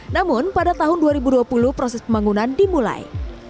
namun pada tahun dua ribu dua puluh proses pembangunan dimulai